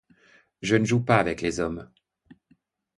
Je ne joue pas avec les hommes.